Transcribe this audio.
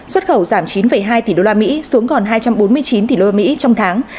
xuất khẩu giảm chín hai tỷ đô la mỹ xuống còn hai trăm bốn mươi chín tỷ đô la mỹ trong tháng